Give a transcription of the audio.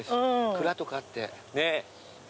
蔵とかあって。